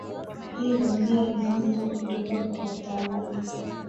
hivo pia ni funzo kutoka kwa watawala